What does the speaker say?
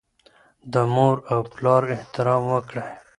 د مور او پلار احترام وکړئ.